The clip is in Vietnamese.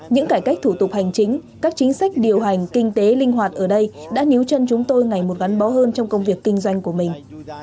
những cải cách thủ tục hành chính các chính sách điều hành kinh tế linh hoạt ở đây đã níu chân chúng tôi ngày một gắn bó hơn trong công việc kinh doanh của mình